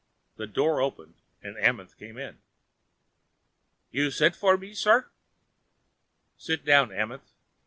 The door opened and Amenth came in. "You sent for me, sir?" "Sit down, Amenth.